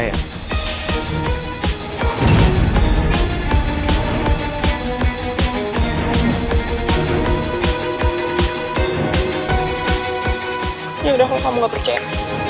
ya udah kalo kamu gak percaya